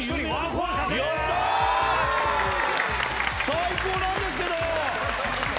最高なんですけど！